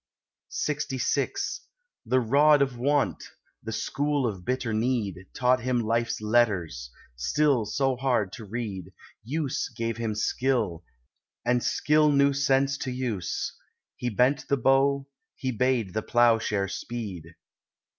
LXVI The rod of Want, the school of bitter Need, Taught him Life's letters, still so hard to read: Use gave him skill, and skill new sense to use, He bent the bow, he bade the ploughshare speed.